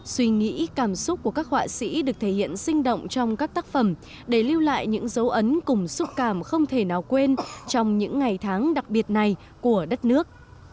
suy nghĩ cảm xúc của các họa sĩ được thể hiện sinh động trong các tác phẩm để lưu lại những dấu ấn cùng xúc cảm không thể nào quên trong những ngày tháng đặc biệt này của đất nước